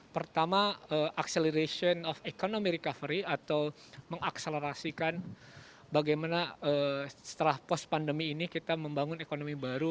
pertama acceleration of economy recovery atau mengakselerasikan bagaimana setelah pos pandemi ini kita membangun ekonomi baru